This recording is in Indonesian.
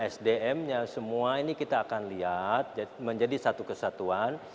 sdm nya semua ini kita akan lihat menjadi satu kesatuan